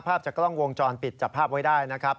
ภาพจากกล้องวงจรปิดจับภาพไว้ได้นะครับ